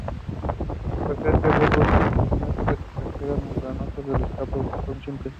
Presenta bulbos con túnicas externas membranosas; los escapos son simples.